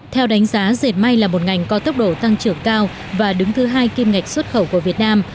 theo đánh giá dệt may là một ngành có tốc độ tăng trưởng cao và đứng thứ hai kim ngạch xuất khẩu của việt nam